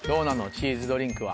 チーズドリンクは。